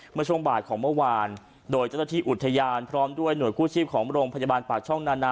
เมื่อช่วงบ่ายของเมื่อวานโดยเจ้าหน้าที่อุทยานพร้อมด้วยหน่วยกู้ชีพของโรงพยาบาลปากช่องนานา